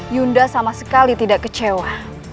yunda sama sekali tidak kecewa